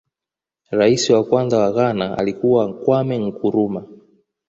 rais wa kwanza wa ghana alikuwa kwame nkurumah